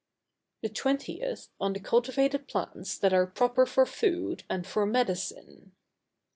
The 20th on the Cultivated Plants that are proper for food and for medicine.